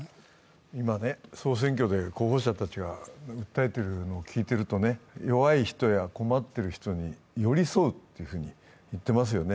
今、総選挙で候補者たちが訴えているのを聞いてるとね、弱い人や困っている人に寄り添うと言っていますよね。